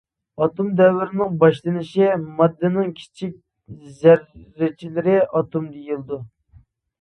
ئاتوم دەۋرىنىڭ باشلىنىشى ماددىنىڭ كىچىك زەررىچىلىرى ئاتوم دېيىلىدۇ.